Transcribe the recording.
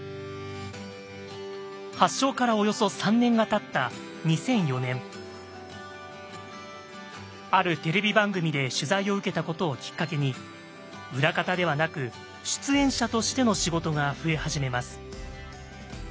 発症からおよそ３年がたったあるテレビ番組で取材を受けたことをきっかけに裏方ではなく出演者としての仕事が増え始めます。